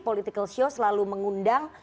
political show selalu mengundang